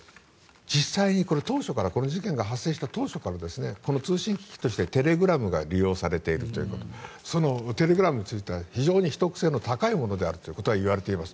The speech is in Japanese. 実際にこの事件が発生した当初から通信機器としてテレグラムが利用されているということそのテレグラムについては非常に秘匿性の高いものであるといわれています。